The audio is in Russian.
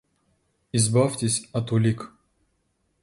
Избавьтесь от улик.